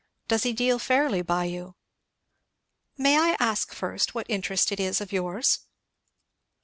does he deal fairly by you?" "May I ask first what interest it is of yours?"